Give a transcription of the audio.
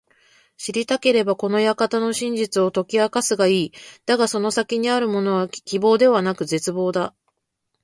知りたければ、この館の真実を解き明かすがいい。だがその先にあるものは…希望ではなく絶望だ。